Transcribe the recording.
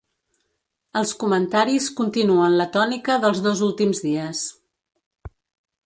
Els comentaris continuen la tònica dels dos últims dies.